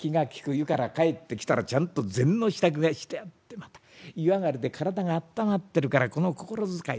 湯から帰ってきたらちゃんと膳の支度がしてあってまた湯上がりで体があったまってるからこの心遣い。